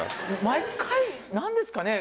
毎回何ですかね？